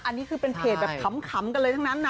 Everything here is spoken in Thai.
อันนี้คือเป็นเพจแบบขำกันเลยทั้งนั้นนะ